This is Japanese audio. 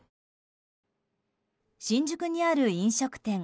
新宿にある飲食店。